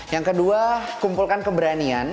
yang kedua kumpulkan keberanian